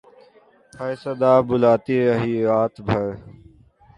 ہر صدا پر بلاتی رہی رات بھر